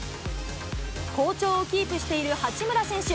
好調をキープしている八村選手。